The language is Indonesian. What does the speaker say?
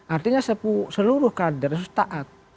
artinya seluruh kader itu taat